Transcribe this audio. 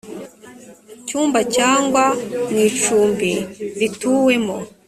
cyumba cyangwa mu icumbi rituwemo